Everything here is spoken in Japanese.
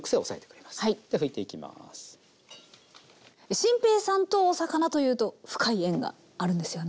心平さんとお魚というと深い縁があるんですよね？